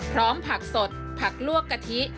พร้อมผักสดผักลวกกะทิ